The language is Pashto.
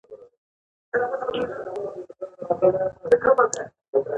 قانون د ادارې د کړنو بنسټ جوړوي.